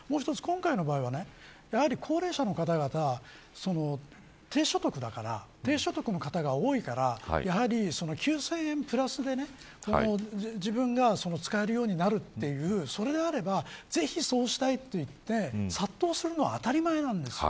今回の場合はやはり高齢者の方々低所得の方が多いから９０００円プラスで自分が使えるようになるっていうそれであればぜひそうしたいと言って殺到するのも当たり前なんです。